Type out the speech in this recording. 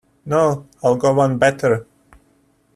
No, I’ll go one better.